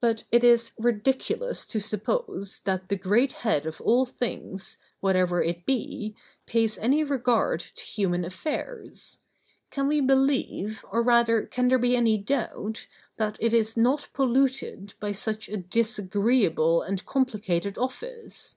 But it is ridiculous to suppose, that the great head of all things, whatever it be, pays any regard to human affairs. Can we believe, or rather can there be any doubt, that it is not polluted by such a disagreeable and complicated office?